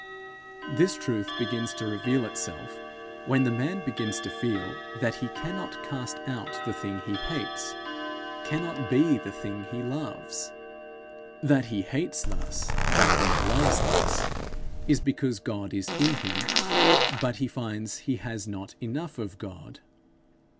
This truth begins to reveal itself when the man begins to feel that he cannot cast out the thing he hates, cannot be the thing he loves. That he hates thus, that he loves thus, is because God is in him, but he finds he has not enough of God.